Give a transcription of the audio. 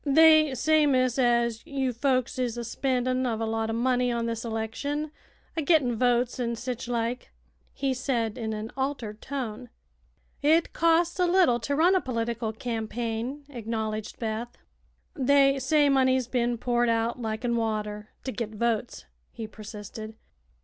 "They say, miss, as you folks is a spendin' uv a lot o' money on this election, a gittin' votes, an' sich like," he said, in an altered tone. "It costs a little to run a political campaign," acknowledged Beth. "They say money's bein' poured out liken water to git votes," he persisted.